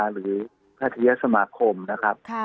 หรือภัทริยสมาคมนะครับ